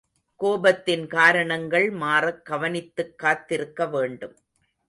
கோபத்தின் காரணங்கள் மாறக் கவனித்துக் காத்திருக்க வேண்டும்.